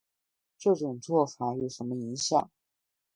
这种做法有什么影响